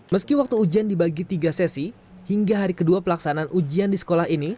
meski waktu ujian dibagi tiga sesi hingga hari kedua pelaksanaan ujian di sekolah ini